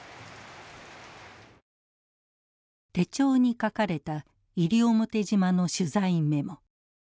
手帳に書かれた西表島の取材メモ。